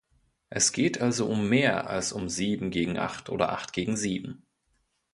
Es geht also um mehr, als um sieben gegen acht oder acht gegen sieben.